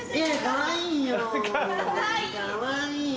かわいい。